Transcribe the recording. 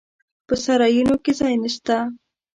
په سرایونو کې ځای نسته.